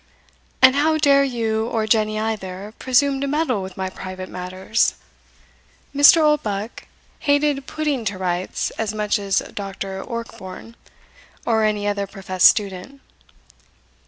"And how dare you, or Jenny either, presume to meddle with my private matters?" (Mr. Oldbuck hated puttting to rights as much as Dr. Orkborne, or any other professed student.)